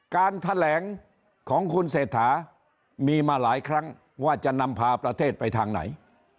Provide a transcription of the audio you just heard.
การแถลงของคุณเศรษฐามีมาหลายครั้งว่าจะนำพาประเทศไปทางไหน